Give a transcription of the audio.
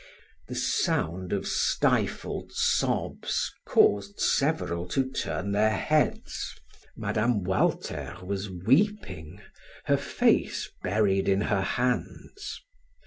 The sound of stifled sobs caused several to turn their heads. Mme. Walter was weeping, her face buried in her hands.